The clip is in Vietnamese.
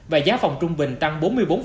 và giá phòng trung bình tăng bốn mươi bốn